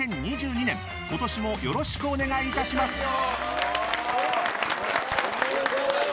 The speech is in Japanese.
２０２２年、今年もよろしくお願い致します！